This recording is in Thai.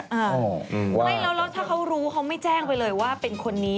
ไม่แล้วถ้าเขารู้เขาไม่แจ้งไปเลยว่าเป็นคนนี้